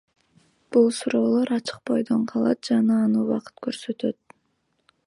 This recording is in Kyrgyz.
Бул суроолор ачык бойдон калат жана аны убакыт көрсөтөт.